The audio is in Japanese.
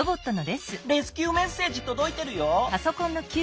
レスキューメッセージとどいてるよ。